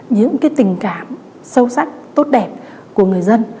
những tình cảm sâu sắc tốt đẹp của người dân